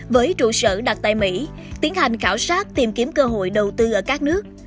với trụ sở đặt tại mỹ tiến hành khảo sát tìm kiếm cơ hội đầu tư ở các nước